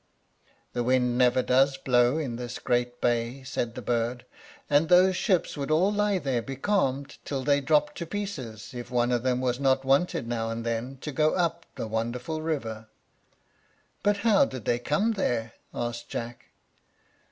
"The wind never does blow in this great bay," said the bird; "and those ships would all lie there becalmed till they dropped to pieces if one of them was not wanted now and then to go up the wonderful river." "But how did they come there?" asked Jack.